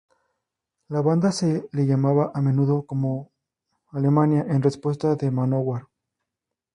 La banda se le llamaba a menudo como "Alemania" en respuesta a Manowar".